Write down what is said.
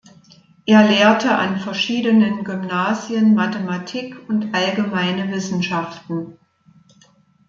Er lehrte an verschiedenen Gymnasien Mathematik und allgemeine Wissenschaften.